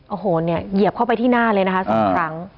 โอ้โหเนี่ยเหยียบเข้าไปที่หน้าเลยนะคะสองครั้ง